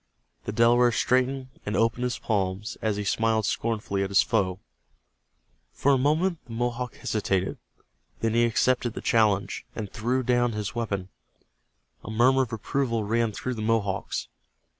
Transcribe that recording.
The Delaware straightened and opened his palms, as he smiled scornfully at his foe. For a moment the Mohawk hesitated. Then he accepted the challenge, and threw down his weapon. A murmur of approval ran through the Mohawks.